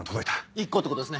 １個ってことですね。